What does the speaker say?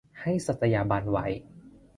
ให้สัตยาบันไว้